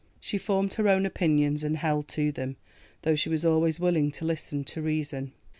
She formed her own opinions and held to them, though she was always willing to listen to reason.